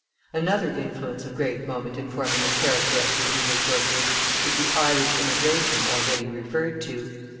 Another influence of great moment in forming the character of the English workers is the Irish immigration already referred to.